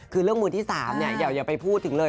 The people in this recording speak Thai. คือเรื่องมือที่๓อย่าไปพูดถึงเลย